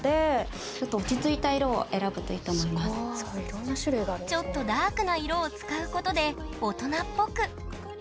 ちょっとちょっとダークな色を使うことで大人っぽく。